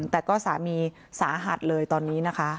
แต่ก็สามีสาหัสเลยตอนนี้นะคะ